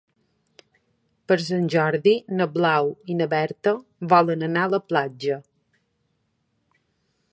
Per Sant Jordi na Blau i na Berta volen anar a la platja.